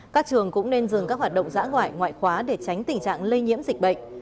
các trường cũng nên dừng các hoạt động dã ngoại ngoại khóa để tránh tình trạng lây nhiễm dịch bệnh